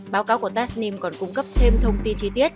báo cáo của testnim còn cung cấp thêm thông tin chi tiết